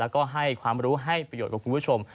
แล้วก็ให้ความรู้ให้ประโยชนกับคุณผู้ชม